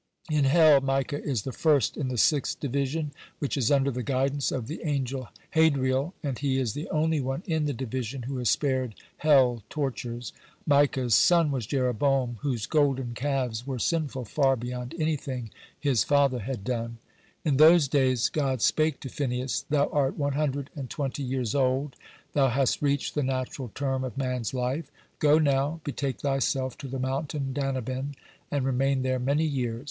(137) In hell Micah is the first in the sixth division, which is under the guidance of the angel Hadriel, and he is the only one in the division who is spared hell tortures. (138) Micah's sons was Jeroboam, whose golden calves were sinful far beyond anything his father had done. (139) In those days God spake to Phinehas: "Thou art one hundred and twenty years old, thou hast reached the natural term of man's life. Go now, betake thyself to the mountain Danaben, and remain there many years.